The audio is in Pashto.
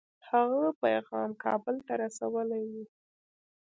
هغه پیغام کابل ته رسولی وو.